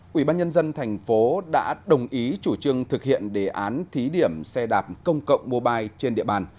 quỹ ban nhân dân thành phố đã đồng ý chủ trương thực hiện đề án thí điểm xe đạp công cộng mobile trên địa bàn